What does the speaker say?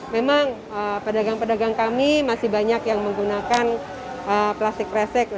memang pedagang pedagang kami masih banyak yang menggunakan plastik kresek